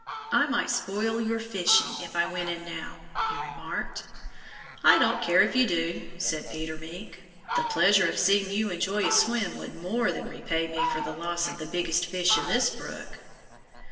"I might spoil your fishing if I went in now," he remarked. "I don't care if you do," said Peter Mink. "The pleasure of seeing you enjoy a swim would more than repay me for the loss of the biggest fish in this brook."